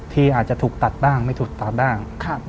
ที่อาจจะถูกตัดบ้างไม่ถูกตัดบ้าง